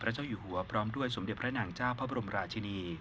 พระบาทอยู่หัวรันเจ้าพระพรมราชินี